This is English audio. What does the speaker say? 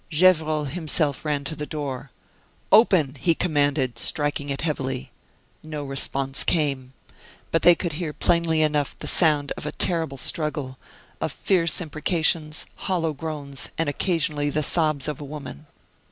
Gevrol himself ran to the door. "Open!" he commanded, striking it heavily. No response came. But they could hear plainly enough the sound of a terrible struggle of fierce imprecations, hollow groans, and occasionally the sobs of a woman.